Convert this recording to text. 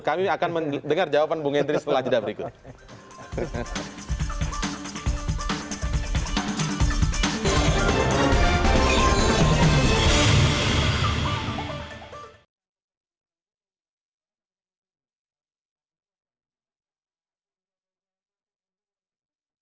kami akan mendengar jawaban bung hendry setelah jeda berikut